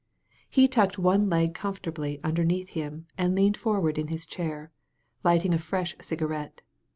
He tucked one leg comfortably underneath him and leaned forward in his chair, lighting a fresh cigarette.